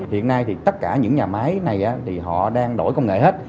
hiện nay thì tất cả những nhà máy này thì họ đang đổi công nghệ hết